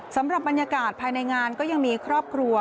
สำหรับบรรยากาศภายในงานก็ยังมีครอบครัว